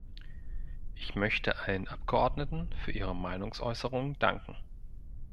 Ich möchte allen Abgeordneten für ihre Meinungsäußerungen danken.